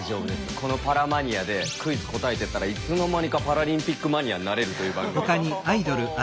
この「パラマニア」でクイズ答えてったらいつの間にかパラリンピックマニアになれるという番組なんで。